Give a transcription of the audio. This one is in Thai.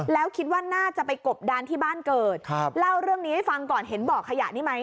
แล้วคิดว่าน่าจะไปกบดานที่บ้านเกิดครับเล่าเรื่องนี้ให้ฟังก่อนเห็นบ่อขยะนี่ไหม